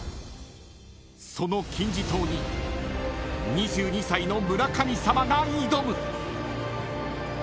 ［その金字塔に２２歳の村神様が挑む］